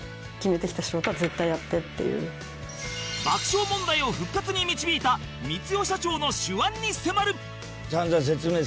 爆笑問題を復活に導いた光代社長の手腕に迫る！